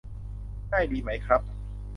ง่ายดีไหมครับ